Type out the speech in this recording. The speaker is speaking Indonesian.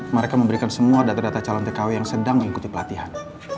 mereka memberikan semua data data calon tkw yang sedang mengikuti pelatihan